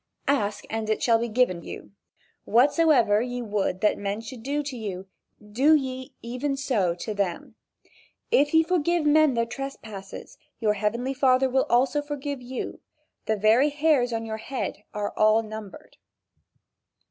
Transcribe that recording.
"Ask and it shall be given you. Whatsoever ye would that men should do to you, do ye even so to them. If ye forgive men their trespasses your heavenly Father will also forgive you. The very hairs of your head are all numbered."